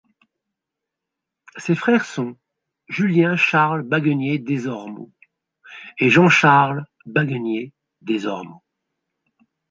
Ses frères sont Julien-Charles Baguenier Desormeaux et Jean-Charles Baguenier Desormeaux.